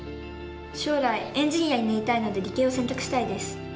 将来エンジニアになりたいので理系を選択したいです。